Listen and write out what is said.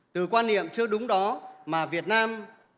từ quan niệm chưa đúng đó mà việt nam